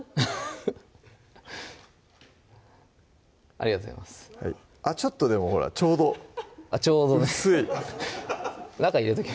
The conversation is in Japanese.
ありがとうございますあっちょっとでもほらちょうどあっちょうど薄い中入れとき